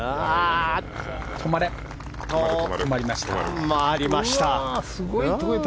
止まりました。